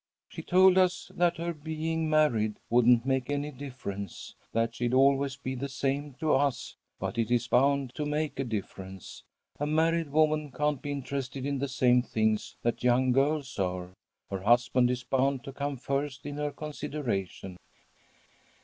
"She told us that her being married wouldn't make any difference, that she'd always be the same to us. But it's bound to make a difference. A married woman can't be interested in the same things that young girls are. Her husband is bound to come first in her consideration.